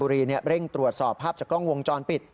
เร่งตรวจสอบภาพจากกล้องวงจรปิด